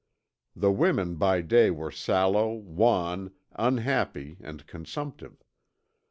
The women by day were sallow, wan, unhappy, and consumptive.